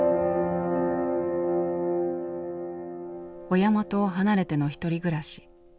親元を離れての１人暮らし。